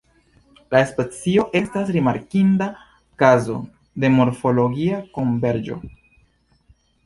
La specio estas rimarkinda kazo de morfologia konverĝo.